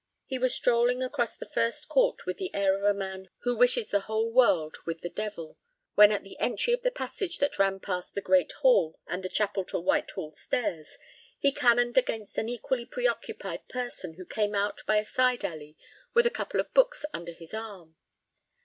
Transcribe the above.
He was strolling across the first court with the air of a man who wishes the whole world with the devil, when at the entry of the passage that ran past the Great Hall and the Chapel to Whitehall Stairs, he cannoned against an equally preoccupied person who came out by a side alley with a couple of books under his arm.